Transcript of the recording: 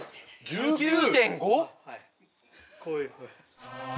１９．５！